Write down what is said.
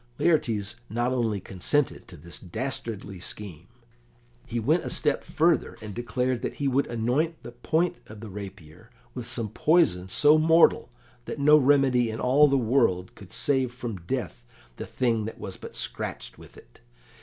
Laertes not only consented to this dastardly scheme, he went a step further, and declared that he would anoint the point of the rapier with some poison so mortal that no remedy in all the world could save from death the thing that was but scratched with it.